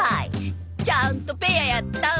ちゃんとペアやった！